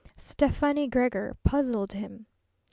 Stefani Gregor puzzled him.